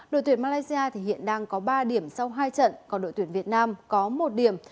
đội tuyển malaysia hiện đang có ba điểm sau hai trận còn đội tuyển việt nam có một điểm